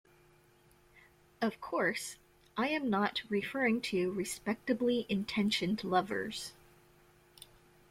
Of course, I am not referring to respectably-intentioned lovers.